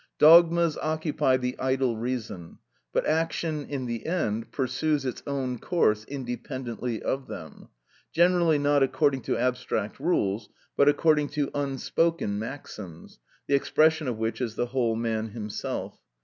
Dogmas occupy the idle reason; but action in the end pursues its own course independently of them, generally not according to abstract rules, but according to unspoken maxims, the expression of which is the whole man himself.